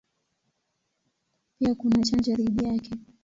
Pia kuna chanjo dhidi yake.